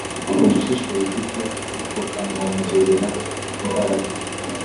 ubushishozi bwe bukamwongerera imbaraga.